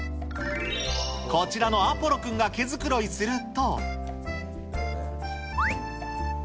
こちらのアポロくんが毛繕いすると。